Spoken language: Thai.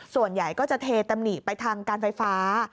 ส่วนใหญ่ก็จะเทตำหนิไปทางการไฟฟ้า